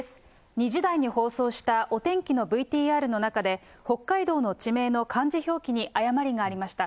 ２時台に放送したお天気のＶＴＲの中で、北海道の地名の漢字表記に誤りがありました。